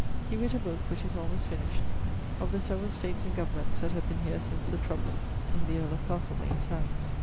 He writt a booke, which is almost finished, 'Of the severall states and goverments that have been here since the troubles,' in the earl of Castlemaine's hands.